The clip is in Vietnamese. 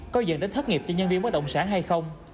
có dẫn đến thất nghiệp cho nhân viên bất động sản hay không